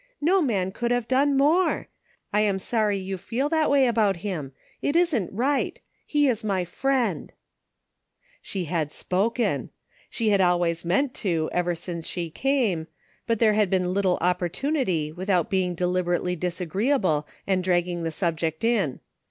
No man could have done more! I am sorry you feel that way about him. It isn't right ! He is my friend !" She had spoken! She had always meant to, ever since she came; but there had been little opportunity without being deliberately disagreeable and dragging the subject in.